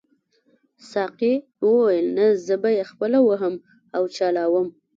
ساقي وویل نه زه به یې خپله وهم او چلاوم.